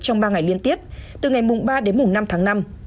trong ba ngày liên tiếp từ ngày ba đến năm tháng năm